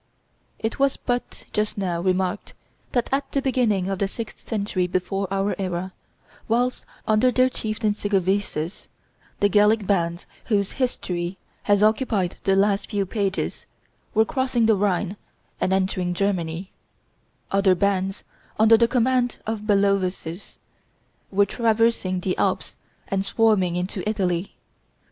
It was but just now remarked that at the beginning of the sixth century before our era, whilst, under their chieftain Sigovesus, the Gallic bands whose history has occupied the last few pages were crossing the Rhine and entering Germany, other bands, under the command of Bellovesus, were traversing the Alps and swarming into Italy.